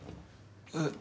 えっ？